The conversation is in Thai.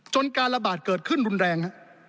การระบาดเกิดขึ้นรุนแรง